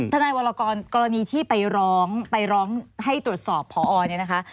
ทนายวรกรกรณีที่ไปร้องไปร้องให้ตรวจสอบพอเนี่ยนะคะ